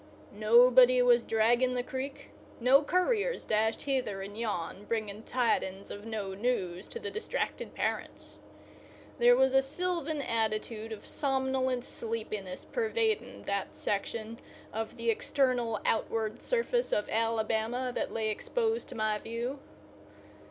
Nobody was dragging the creek; no couriers dashed hither and yon, bringing tidings of no news to the distracted parents. There was a sylvan attitude of somnolent sleepiness pervading that section of the external outward surface of Alabama that lay exposed to my view.